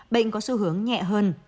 bệnh có xu hướng nhẹ hơn